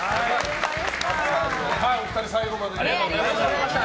お二人、最後までありがとうございました。